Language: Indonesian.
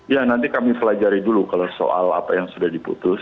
ya nanti kami pelajari dulu kalau soal apa yang sudah diputus